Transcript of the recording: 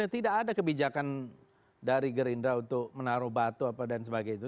tidak ada kebijakan dari gerindra untuk menaruh batu apa dan sebagainya